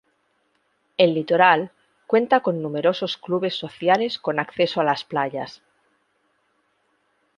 El litoral cuenta con numerosos clubes sociales con acceso a las playas.